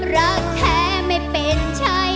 รักแท้ไม่เป็นใช่